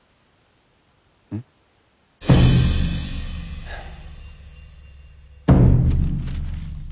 うん？はあ。